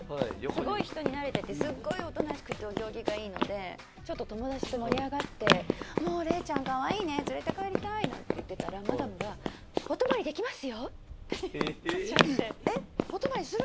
すごい人に慣れててすっごいおとなしくてお行儀がいいのでちょっと友達と盛り上がって「もうれいちゃんかわいいね連れて帰りたい」なんて言ってたらマダムが「えっお泊まりする？